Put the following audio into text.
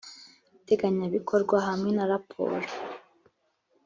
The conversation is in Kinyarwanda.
iteganyabikorwa hamwe na raporo